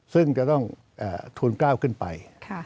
ซึ่งจะต้องทูลก้าวขึ้นไป